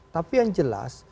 tapi yang jelas